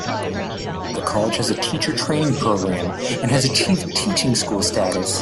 The College has a teacher training programme and has achieved Teaching School status.